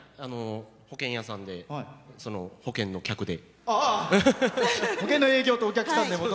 保険屋さんで保険の客で。